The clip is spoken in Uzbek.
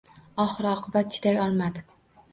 Oxir-oqibat chiday olmadi: